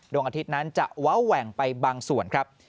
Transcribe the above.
ดวงอาทิตย์นั้นจะเว้าแหว่งไปบางส่วนครับ